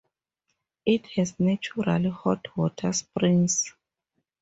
It has natural hot water springs.